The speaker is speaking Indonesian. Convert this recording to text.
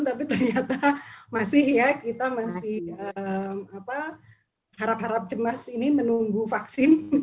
tapi ternyata masih ya kita masih harap harap cemas ini menunggu vaksin